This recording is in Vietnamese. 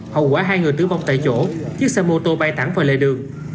hậu quả hai người tử vong tại chỗ chiếc xe mô tô bay thẳng vào lề đường